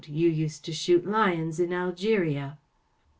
You used to shoot lions in Algeria.